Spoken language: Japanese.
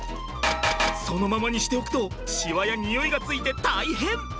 そのままにしておくとしわや臭いがついて大変！